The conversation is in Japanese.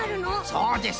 そうです。